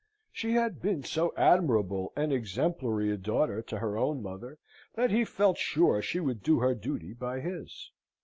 She had been so admirable and exemplary a daughter to her own mother, that he felt sure she would do her duty by his.